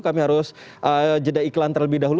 kami harus jeda iklan terlebih dahulu